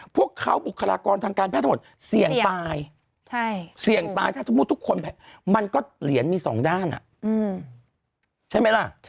พวกเขาบุคลากรทางการแพ้ทั้งหมดเสี่ยงตาย